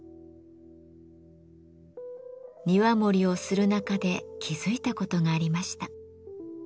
庭守をする中で気付いたことがありました。